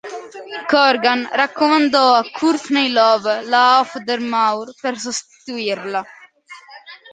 Corgan raccomandò a Courtney Love la Auf der Maur per sostituirla.